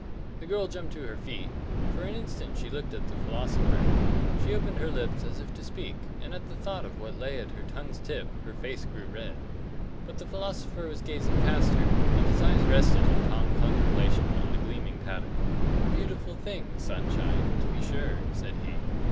The girl jumped to her feet; for an instant she looked at the philosopher. She opened her lips as if to speak, and at the thought of what lay at her tongue's tip her face grew red. But the philosopher was gazing past her, and his eyes rested in calm contemplation on the gleaming paddock. "A beautiful thing, sunshine, to be sure," said he.